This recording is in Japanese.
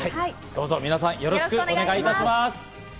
どうぞ皆さん、よろしくお願いいたします。